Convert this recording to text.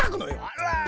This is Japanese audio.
あら。